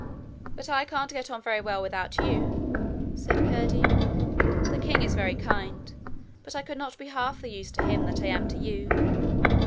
'But I can't get on very well without you,' said Curdie. 'The king is very kind, but I could not be half the use to him that I am to you.